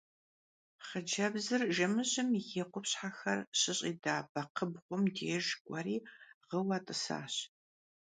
Xhıcebzır jjemıjım yi khupşher zış'it'ejja bekxhıbğum dêjj k'ueri ğıue t'ısaş.